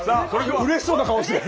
うれしそうな顔してる。